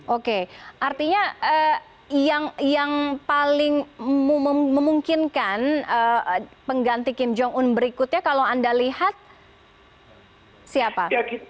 oke artinya yang paling memungkinkan pengganti kim jong un berikutnya kalau anda lihat siapa